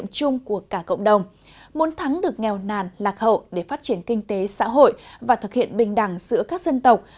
muốn thắng được nghèo nàn lạc hậu để phát triển kinh tế xã hội và thực hiện bình đẳng giữa các dân tộc